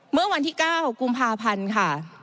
เมื่อวันที่๙กุมภาพันธ์ค่ะ